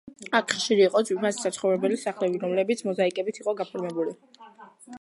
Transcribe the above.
აქ ხშირი იყო ძვირფასი საცხოვრებელი სახლები, რომლებიც მოზაიკებით იყო გაფორმებული.